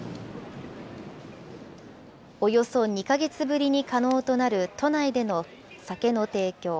およそ２か月ぶりに可能となる都内での酒の提供。